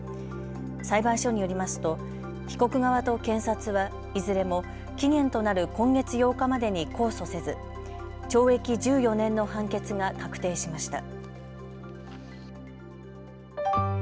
裁判所によりますと被告側と検察はいずれも期限となる今月８日までに控訴せず懲役１４年の判決が確定しました。